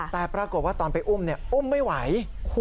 แต่ปรากฏว่าตอนไปอุ้มอุ้มไม่ไหว